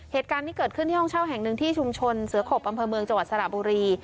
เหตุการณ์นี้เกิดขึ้นที่ห้องเช่าแห่งหนึ่งที่ชุมชนเสือขบอำเภอเมืองจังหวัดสระบุรี